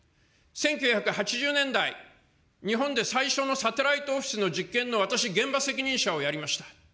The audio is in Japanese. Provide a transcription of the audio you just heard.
１９８０年代、日本で最初のサテライトオフィスの実験の私、現場責任者をやりました。